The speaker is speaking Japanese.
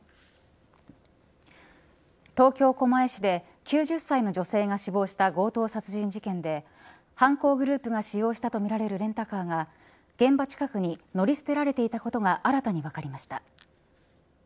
東京、狛江市で９０歳の女性が死亡した強盗殺人事件で犯行グループが使用したとみられるレンタカーが現場近くに乗り捨てられていたことが新たに分かりました。